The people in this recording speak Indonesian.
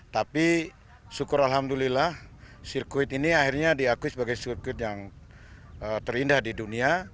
tapi syukur alhamdulillah sirkuit ini akhirnya diakui sebagai sirkuit yang terindah di dunia